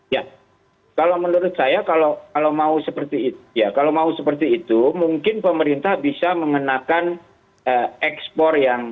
ya kalau menurut saya kalau mau seperti itu mungkin pemerintah bisa mengenakan ekspor yang